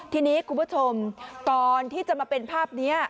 ทีนี้คุณผู้ชมก่อนที่จะมาเป็นภาพนี้